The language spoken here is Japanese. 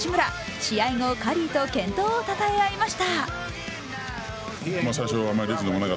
試合後、カリーと健闘をたたえ合いました。